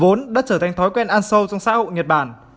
vốn đã trở thành thói quen ăn sâu trong xã hội nhật bản